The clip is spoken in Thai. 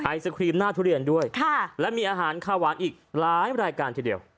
ไอศครีมหน้าทุเรียนด้วยและมีอาหารข้าวหวานอีกหลายรายการทีเดียว